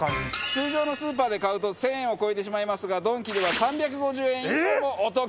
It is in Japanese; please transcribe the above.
通常のスーパーで買うと１０００円を超えてしまいますがドンキでは３５０円以上もお得。